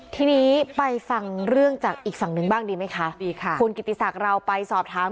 ทีนี้ไปฟังเรื่องจากอีกฝั่งหนึ่งบ้างดีไหมคะดีค่ะคุณกิติศักดิ์เราไปสอบถาม